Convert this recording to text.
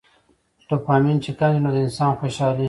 ډوپامين چې کم شي نو د انسان څوشالي